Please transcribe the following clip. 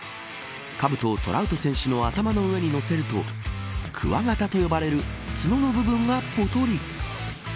かぶとを、トラウト選手の頭の上に乗せると鍬形と呼ばれる角の部分がぽとり。